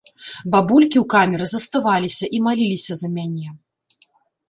Бабулькі ў камеры заставаліся і маліліся за мяне.